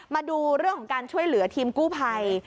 มาดูเรื่องของการช่วยเหลือทีมกู้ภัย